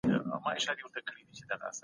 د سياست اصلي موخه د شخړو سوله ييز حل دی.